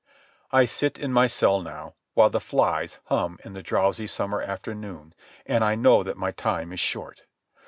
I sit in my cell now, while the flies hum in the drowsy summer afternoon, and I know that my time is short.